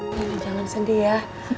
nenek jangan sedih ya